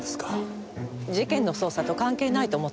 事件の捜査と関係ないと思ったからです。